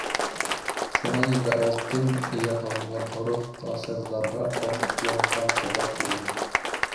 Шунан инде алтын эйәр һалынған һоро ҡасырҙарға атланған ҡыҙҙар күренә.